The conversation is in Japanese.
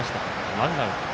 ワンアウト。